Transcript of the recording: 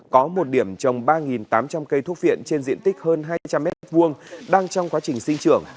có một điểm trồng ba tám trăm linh cây thuốc viện trên diện tích hơn hai trăm linh m hai đang trong quá trình sinh trưởng